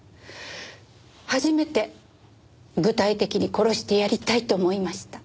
初めて具体的に殺してやりたいと思いました。